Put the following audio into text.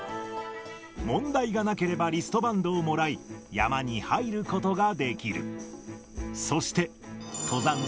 問題がなければリストバンドをもらい、山に入ることができる。